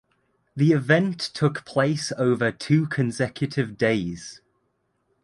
The event took place over two consecutive days.